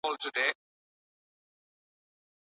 ولي لېواله انسان د هوښیار انسان په پرتله بریا خپلوي؟